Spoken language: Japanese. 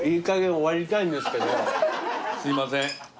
すいません。